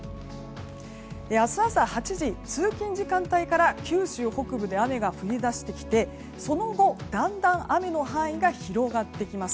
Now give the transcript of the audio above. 明日朝８時、通勤時間帯から九州北部で雨が降り出してきてその後、だんだん雨の範囲が広がっていきます。